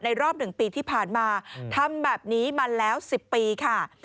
รอบ๑ปีที่ผ่านมาทำแบบนี้มาแล้ว๑๐ปีค่ะ